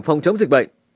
phòng chống dịch bệnh